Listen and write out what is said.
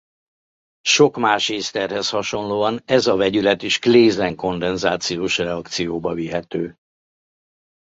Sok más észterhez hasonlóan ez a vegyület is Claisen-kondenzációs reakcióba vihető.